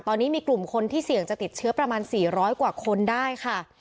ตอนนี้มีกลุ่มคนที่เสี่ยงจะติดเชื้อประมาณ๔๐๐กว่าคนได้ค่ะ